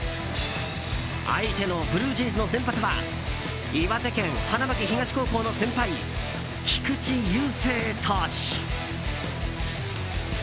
相手のブルージェイズの先発は岩手県花巻東高校の先輩菊池雄星投手。